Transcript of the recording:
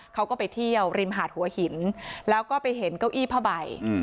เขาก็ไปเที่ยวริมหาดหัวหินแล้วก็ไปเห็นเก้าอี้ผ้าใบ